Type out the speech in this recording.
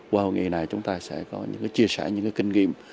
qua hội nghị này chúng ta sẽ có những chia sẻ những kinh nghiệm